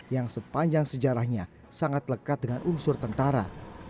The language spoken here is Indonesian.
yang sepanjang sejarahnya sangat lekat dengan unsur tentara